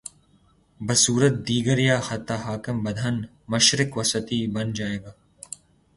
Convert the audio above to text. بصورت دیگریہ خطہ خاکم بدہن، مشرق وسطی بن جا ئے گا۔